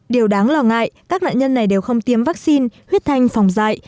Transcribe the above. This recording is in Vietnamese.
điều đáng lo ngại các nạn nhân này đều không tiêm vaccine huyết thanh phòng dại